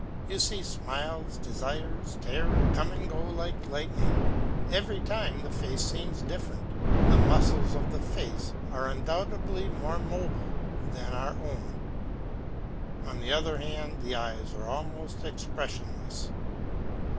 You see smiles, desires, terror, come and go like lightning; every time the face seems different. The muscles of the face are undoubtedly more mobile than our own. On the other hand the eyes are almost expressionless.